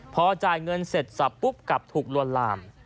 พอจ่ายเงินเสร็จสับปุ๊บกลับถูกลวนลาม